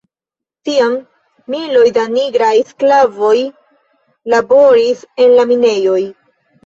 Tiam miloj da nigraj sklavoj laboris en la minejoj.